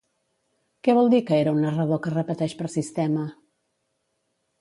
Què vol dir que era un narrador que repeteix per sistema?